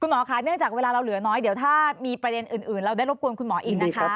หมอค่ะเนื่องจากเวลาเราเหลือน้อยเดี๋ยวถ้ามีประเด็นอื่นเราได้รบกวนคุณหมออีกนะคะ